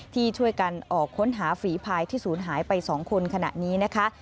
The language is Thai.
ที่ช่วยกันออกค้นหาฝีพายที่ศูนย์หายไป๒คนขณะนี้นะคะ